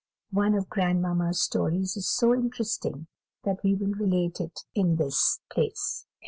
One of grandmamma's stories is so interesting that we will relate it in this place.